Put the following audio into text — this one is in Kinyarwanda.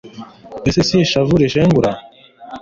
ese si ishavu rishengura